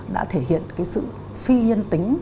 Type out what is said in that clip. đã thể hiện cái sự phi nhân tính